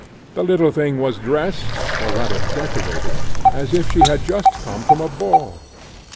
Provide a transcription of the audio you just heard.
The little thing was dressed, or rather decorated, as if she had just come from a ball.